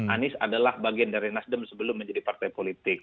anies adalah bagian dari nasdem sebelum menjadi partai politik